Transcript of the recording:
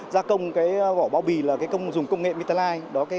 gia công vỏ bao bì là công dùng công nghệ metaline